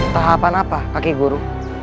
tahapan apa kakek guru